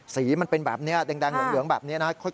สีมันเป็นแบบนี้แดงเหลืองแบบนี้นะครับ